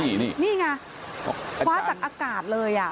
นี่นี่ไงคว้าจากอากาศเลย